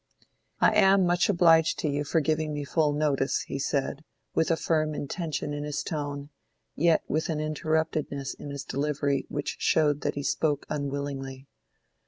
"I am much obliged to you for giving me full notice," he said, with a firm intention in his tone, yet with an interruptedness in his delivery which showed that he spoke unwillingly.